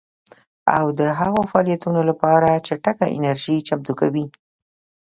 او د هغو فعالیتونو لپاره چټکه انرژي چمتو کوي